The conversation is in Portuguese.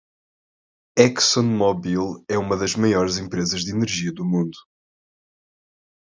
ExxonMobil é uma das maiores empresas de energia do mundo.